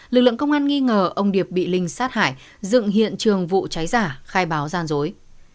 lực lượng công an nghi ngờ ông điệp bị linh sát hải dựng hiện trường vụ cháy giả khai báo gian dối